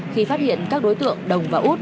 khi phát hiện các đối tượng đồng và út